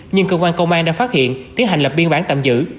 nhưng cơ quan công an đã phát hiện tiến hành lập biên bản tạm giữ